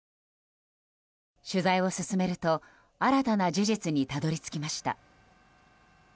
取材を進めると新たな事実にたどり着きました。